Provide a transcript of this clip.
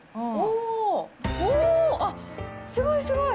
あっ、すごい、すごい。